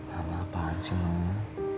kenapa sih mama